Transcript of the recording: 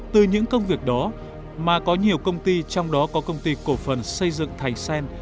từ những công việc đó mà có nhiều công ty trong đó có công ty cổ phần xây dựng thành sen